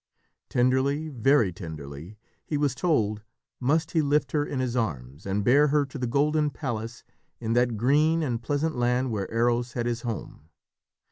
Tenderly very tenderly he was told, must he lift her in his arms, and bear her to the golden palace in that green and pleasant land where Eros had his home.